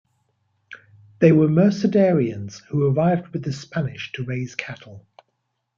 They were Mercedarians who arrived with the Spanish to raise cattle.